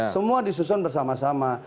semua disusun bersama sama